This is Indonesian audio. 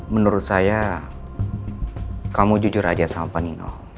menurut saya kamu jujur aja sama pan dino